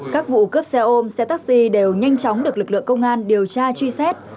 các vụ cướp xe ôm xe taxi đều nhanh chóng được lực lượng công an điều tra truy xét